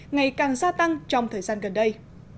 ngày càng gia tăng trong thời gian gần đây